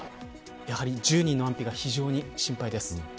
やはり１０人の安否が非常に心配です。